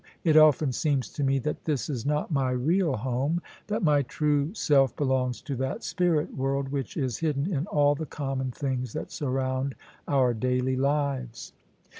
It often seems to me that this is not my real home ; that my true self belongs to that spirit world which is hidden in all the common things that surround our daily lives.